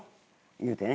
言うてね。